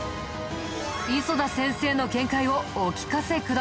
磯田先生の見解をお聞かせください。